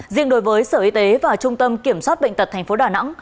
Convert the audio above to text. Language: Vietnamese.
riêng đối với sở y tế và trung tâm kiểm soát bệnh tật thành phố đà nẵng